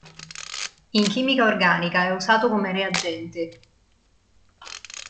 In chimica organica è usato come reagente.